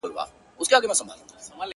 o په يوه چپلاخه د سلو مخ خوږېږي!